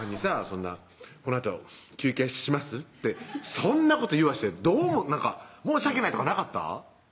そんな「このあと休憩します？」ってそんなこと言わして申し訳ないとかなかった？